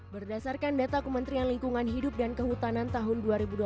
berdasarkan data kementerian lingkungan hidup dan kehutanan tahun dua ribu dua puluh